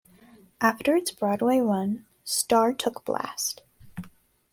After its Broadway run, Star took Blast!